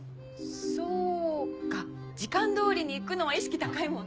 そうか時間通りに行くのは意識高いもんね。